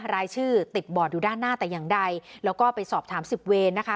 รายชื่อติดบอร์ดอยู่ด้านหน้าแต่อย่างใดแล้วก็ไปสอบถามสิบเวรนะคะ